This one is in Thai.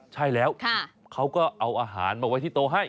ใช่แล้วเขาก็เอาอาหารมาไว้ที่โต๊ะให้